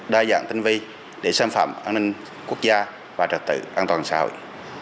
đa dạng tinh vi để xâm phạm an ninh quốc gia và trật tự an toàn xã hội